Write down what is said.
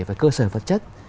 và cơ sở vật chất